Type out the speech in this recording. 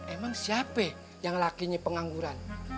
emang siapa yang lakinya pengangguran